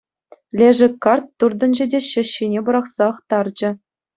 Лешӗ карт туртӑнчӗ те ҫӗҫҫине пӑрахсах тарчӗ.